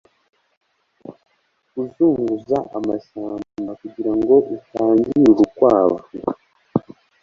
Kuzunguza amashyamba kugirango utangire urukwavu